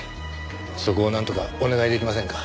そこをなんとかお願い出来ませんか？